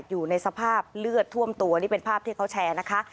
อยู่ในสภาพเลือดท่วมตัวนี่เป็นภาพที่เขาแชร์นะคะ